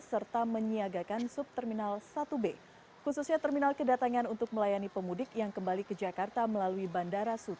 serta menyiagakan sub terminal satu b khususnya terminal kedatangan untuk melayani pemudik yang kembali ke jakarta melalui bandara suta